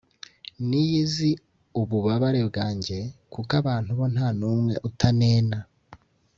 Niyo izi ububabare bwanjye kuko abantu bo nta n’umwe utanena